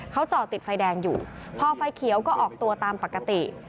เขาจอดติดไฟแดงอยู่พอไฟเขียวก็ออกตัวตามปกติ